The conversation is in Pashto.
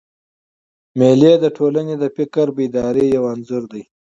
مېلې د ټولني د فکري بیدارۍ یو انځور دئ.